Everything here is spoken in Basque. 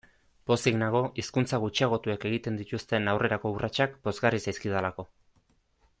Pozik nago hizkuntza gutxiagotuek egiten dituzten aurrerako urratsak pozgarri zaizkidalako.